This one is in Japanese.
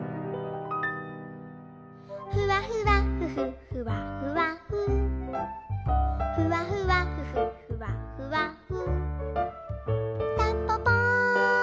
「ふわふわふふふわふわふふわふわふふふわふわふ」